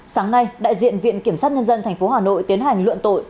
sáng nay đại diện viện kiểm sát nhân dân tp hà nội tiến hành luận tội